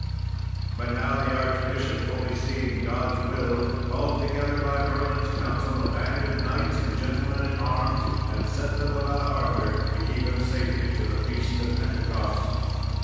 But now the archbishop, fully seeing God's will, called together, by Merlin's counsel, a band of knights and gentlemen at arms, and set them about Arthur to keep him safely till the feast of Pentecost.